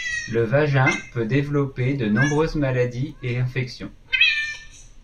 Le vagin peut développer de nombreuses maladies et infections.